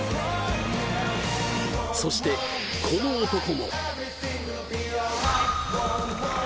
そして、この男も。